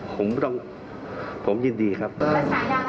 กัตรศึกษาซูจชาติ